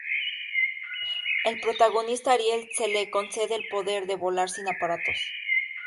Al protagonista, Ariel se le concede el poder de volar sin aparatos.